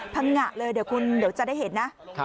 พังงะเลยเดี๋ยวคุณจะได้เห็นนะ